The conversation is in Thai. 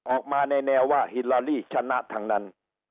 ออกมาในแนวว่าฮิลาลีชนะทั้งนั้น